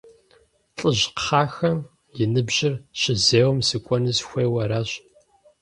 ЛӀыжь кхъахэм и ныбжьыр щызеуэм сыкӀуэну сыхуейуэ аращ.